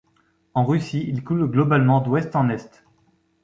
En Russie, il coule globalement d'ouest en est.